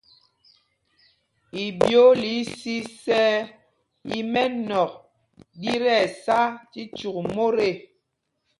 Iɓyoola isisɛɛ í mɛ́nɔ̂k ɗí tí ɛsá tí cyûk mot ê.